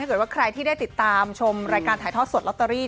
เกิดว่าใครที่ได้ติดตามชมรายการถ่ายทอดสดลอตเตอรี่